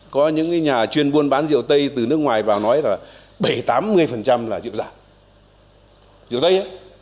có những nhà chuyên buôn bán rượu tây từ nước ngoài vào nói là bảy mươi tám mươi là rượu giả rượu tây